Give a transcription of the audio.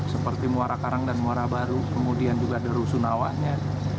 seperti muara karang dan muara baru kemudian juga ada rusunawanya